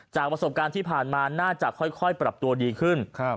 ประสบการณ์ที่ผ่านมาน่าจะค่อยปรับตัวดีขึ้น